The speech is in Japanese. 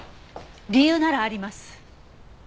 理由ならあります。